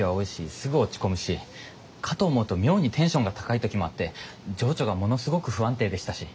すぐ落ち込むしかと思うと妙にテンションが高い時もあって情緒がものすごく不安定でしたし。